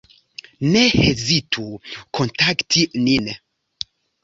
Ne hezitu kontakti nin.